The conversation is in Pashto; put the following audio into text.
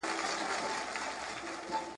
د کمیسیون غړي څنګه بحث کوي؟